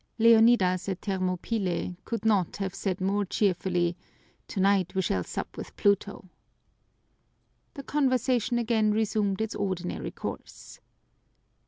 Leonidas at Thermopylae could not have said more cheerfully, "Tonight we shall sup with Pluto!" The conversation again resumed its ordinary course.